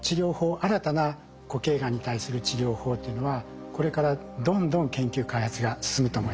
新たな固形がんに対する治療法というのはこれからどんどん研究開発が進むと思います。